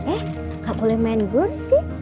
eh gak boleh main guntik